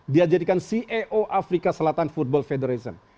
dia jadikan ceo afrika selatan football federation